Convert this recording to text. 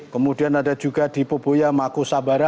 kemudian ada juga di poboya makusabara